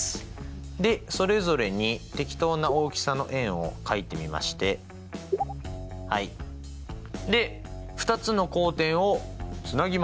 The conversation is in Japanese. でそれぞれに適当な大きさの円を書いてみましてで２つの交点をつなぎます。